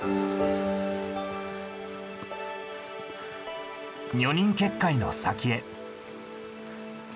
女人結界の先へ。